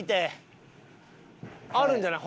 あるんじゃない？